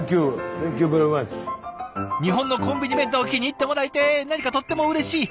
日本のコンビニ弁当を気に入ってもらえて何かとってもうれしい。